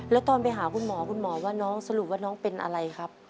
แล้วตอนไปหาคุณหมอคุณหมอว่าน้องสรุปว่าน้องเป็นอะไรครับ